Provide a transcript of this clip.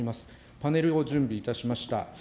パネルを準備いたしました。